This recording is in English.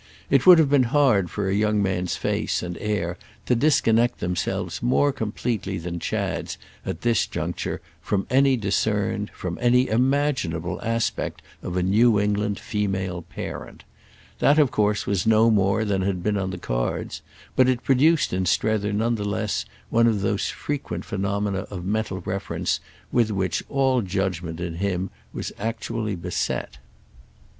It would have been hard for a young man's face and air to disconnect themselves more completely than Chad's at this juncture from any discerned, from any imaginable aspect of a New England female parent. That of course was no more than had been on the cards; but it produced in Strether none the less one of those frequent phenomena of mental reference with which all judgement in him was actually beset.